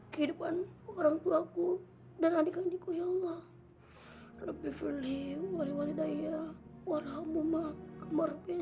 kehidupan orangtuaku dan adik adikku ya allah lebih beli wali wali daya warhamu'alaikum warahmatullahi